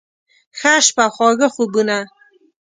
ښه شپه، خواږه خوبونه